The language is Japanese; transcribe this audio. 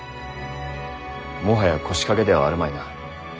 もはや腰掛けではあるまいな？へ？